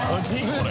これ。